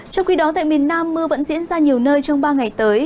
trong khi đó tại miền nam mưa vẫn diễn ra nhiều nơi trong ba ngày tới